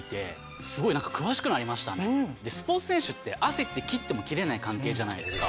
スポーツ選手って汗って切っても切れない関係じゃないですか。